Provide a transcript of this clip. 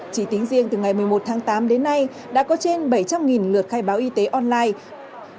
chỉ tính riêng từ ngày một mươi một tháng tám đến nay đã có trên bảy trăm linh lượt khai báo y tế online